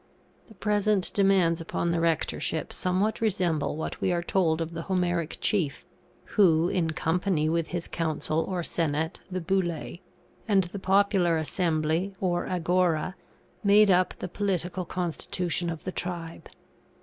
The present demands upon the Rectorship somewhat resemble what we are told of the Homeric chief, who, in company with his Council or Senate, the Boulè, and the Popular Assembly, or Agora, made up the political constitution of the tribe.